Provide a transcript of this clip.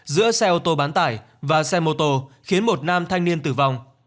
giữa xe ô tô bán tải và xe mô tô khiến một nam thanh niên tử vong